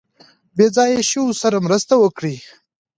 بې ځایه شویو سره مرسته وکړي.